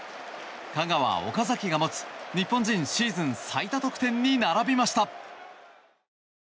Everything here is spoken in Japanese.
香川、岡崎が持つ日本人シーズン最多得点に並びました。